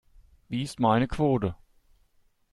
Wie ist meine Quote?